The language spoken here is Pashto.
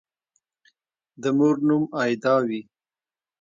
د مور نوم «آیدا» وي